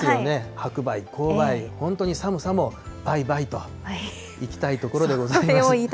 白梅、紅梅、本当に寒さもバイバイといきたいところでございます。